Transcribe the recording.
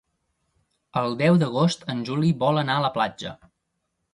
El deu d'agost en Juli vol anar a la platja.